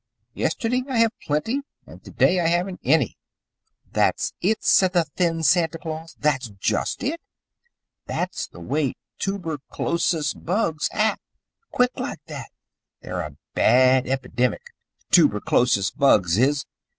Yesterday I have plenty, and to day I haven't any." "That's it!" said the thin Santa Claus. "That's just it! That's the way toober chlosis bugs act quick like that. They're a bad epidemic toober chlosis bugs is.